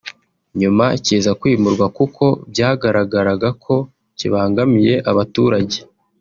nyuma kiza kwimurwa kuko byagaragaraga ko kibangamiye abaturage